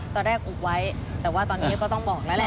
ตอนแรกอุบไว้แต่ว่าตอนนี้ก็ต้องบอกนั่นแหละ